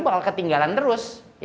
bakal ketinggalan terus